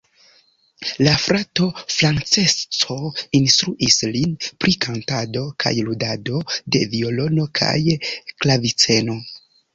La frato Francesco instruis lin pri kantado kaj ludado de violono kaj klaviceno.